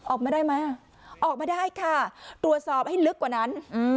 ออกมาได้ไหมออกมาได้ค่ะตรวจสอบให้ลึกกว่านั้น